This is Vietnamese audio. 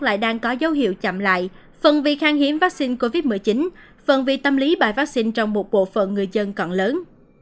trong năm hai nghìn một mươi chín phần vị tâm lý bài vaccine trong một bộ phận người dân còn lớn